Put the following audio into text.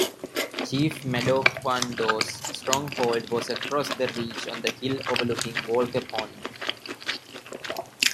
Chief Madockawando's stronghold was across the reach on the hill overlooking Walker Pond.